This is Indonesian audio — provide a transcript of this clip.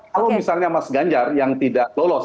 kalau misalnya mas ganjar yang tidak lolos